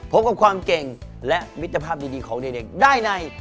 พบกับความเก่งและมิตรภาพดีของเด็กได้ใน